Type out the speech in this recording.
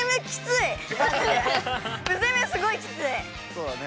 そうだね。